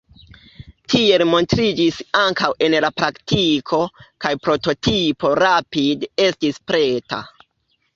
Tiel montriĝis ankaŭ en la praktiko, kaj prototipo rapide estis preta.